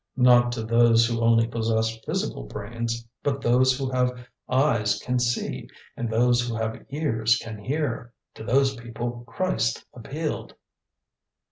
"Not to those who only possess physical brains. But those who have eyes can see and those who have ears can hear. To those people Christ appealed."